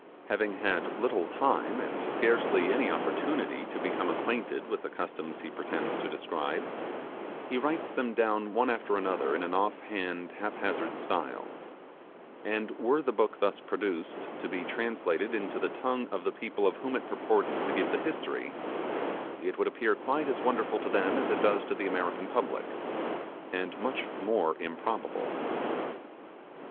Having had little time, and scarcely any opportunity, to become acquainted with the customs he pretends to describe, he writes them down one after another in an off hand, haphazard style; and were the book thus produced to be translated into the tongue of the people of whom it purports to give the history, it would appear quite as wonderful to them as it does to the American public, and much more improbable.